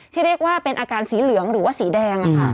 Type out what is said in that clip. ที่เรียกว่าเป็นอาการสีเหลืองหรือว่าสีแดง